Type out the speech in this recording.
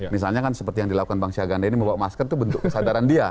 misalnya kan seperti yang dilakukan bang syaganda ini membawa masker itu bentuk kesadaran dia